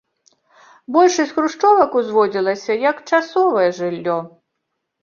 Большасць хрушчовак узводзілася як часовае жыллё.